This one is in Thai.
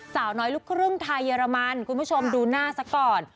สาวน้อยลูกครึ่งไทยเยอรมันคุณผู้ชมดูหน้าซะก่อน